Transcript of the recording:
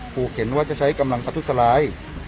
ภูเข็ญว่าจะใช้กำลังผทุสร้าย